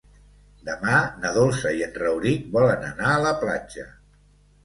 Demà na Dolça i en Rauric volen anar a la platja.